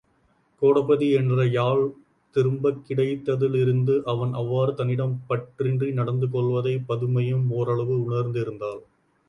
கோடபதி என்ற யாழ் திரும்பக் கிடைத்ததிலிருந்து அவன் அவ்வாறு தன்னிடம் பற்றின்றி நடந்து கொள்வதைப் பதுமையும் ஒரளவு உணர்ந்திருந்தாள்.